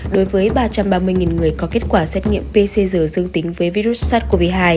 đối với ba trăm ba mươi người có kết quả xét nghiệm pcr dương tính với virus sars cov hai